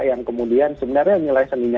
yang kemudian sebenarnya nilai seninya